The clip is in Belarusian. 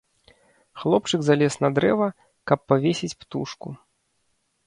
Хлопчык залез на дрэва, каб павесіць птушку.